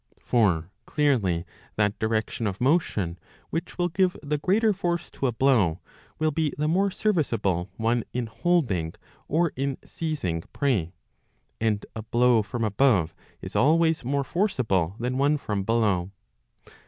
For clearly that direction of motion, which will give the greater force to a blow, will be the more serviceable one in holding or in seizing prey; and a blow from above is always more forcible than one from below.